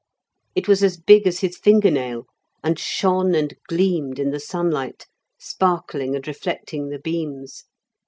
It was as big as his finger nail, and shone and gleamed in the sunlight, sparkling and reflecting the beams.